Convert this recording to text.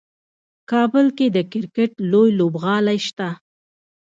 کابل کې د کرکټ لوی لوبغالی شته.